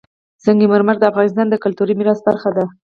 سنگ مرمر د افغانستان د کلتوري میراث برخه ده.